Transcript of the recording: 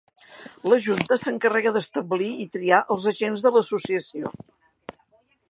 La junta s'encarrega d'establir i triar als agents de l'associació.